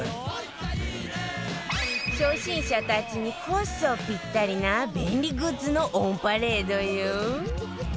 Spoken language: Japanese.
初心者たちにこそピッタリな便利グッズのオンパレードよ